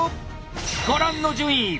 ご覧の順位！